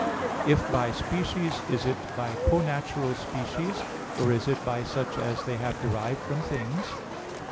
(2) If by species, is it by connatural species, or is it by such as they have derived from things?